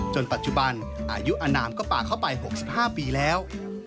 ปัจจุบันอายุอนามก็ป่าเข้าไป๖๕ปีแล้ว